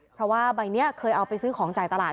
เพราะว่าใบนี้เคยเอาไปซื้อของจ่ายตลาด